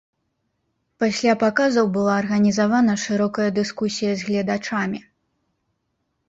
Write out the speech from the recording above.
Пасля паказаў была арганізавана шырокая дыскусія з гледачамі.